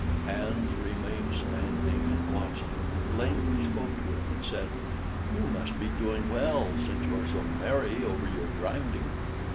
Hans remained standing, and watched him; at length he spoke to him, and said: "You must be doing well since you are so merry over your grinding."